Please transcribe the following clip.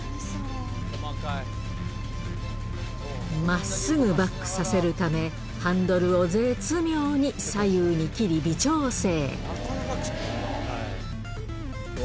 まっすぐバックさせるため、ハンドルを絶妙に左右に切り、微調整。